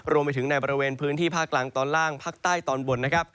รวมไปถึงในบริเวณพื้นที่ภาคกลางตอนล่างภาคใต้ตอนบนนะครับ